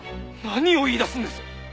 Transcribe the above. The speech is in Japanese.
何を言い出すんです！？